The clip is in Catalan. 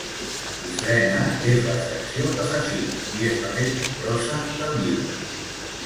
Ofrena és la secció que fa cinc i és la més nombrosa del llibre.